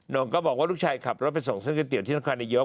นกก็บอกว่าลูกชายขับรถไปส่งเส้นก๋วยเตี๋ยวที่น้องควานยก